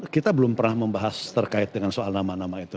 kita belum pernah membahas terkait dengan soal nama nama itu